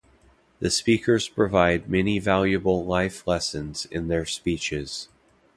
The speakers provide many valuable life lessons in their speeches.